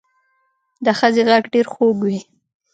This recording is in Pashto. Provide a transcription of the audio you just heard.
د ښځې غږ ډېر خوږ وي